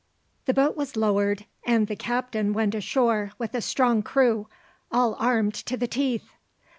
A boat was lowered, and the captain went ashore with a strong crew, all armed to the teeth.